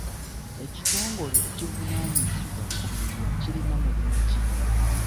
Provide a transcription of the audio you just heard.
Ekitongole ekivunaanyizibwa ku bibira kirina mulimu ki?